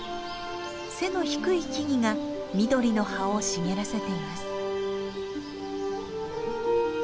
背の低い木々が緑の葉を茂らせています。